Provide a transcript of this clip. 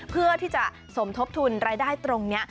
เพื่อที่จะสมทบทุนรายได้ตรงนี้